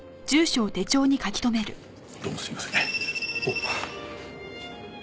どうもすいません。